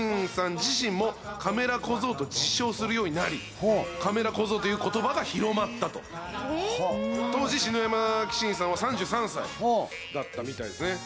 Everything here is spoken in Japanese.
自身もカメラ小僧と自称するようになりカメラ小僧という言葉が広まったと当時篠山紀信さんは３３歳だったみたいですね